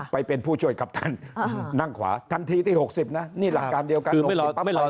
ไปเป็นผู้ช่วยครับท่านนั่งขวาทันทีที่๖๐นะนี่หลักการเดียวกัน